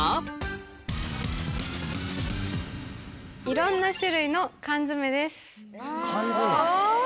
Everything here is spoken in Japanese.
いろんな種類の缶詰。